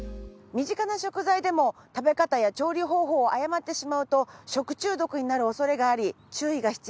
身近な食材でも食べ方や調理方法を誤ってしまうと食中毒になる恐れがあり注意が必要です。